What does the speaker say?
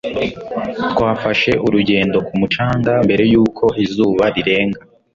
Twafashe urugendo ku mucanga mbere yuko izuba rirenga.